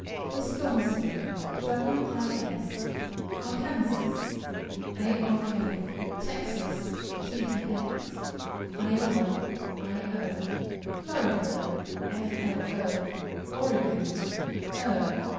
Wisconsin, Wis. Arkansas, Ark. Texas, Tex. Iowa, Io. Florida, Flo. Oregon, O.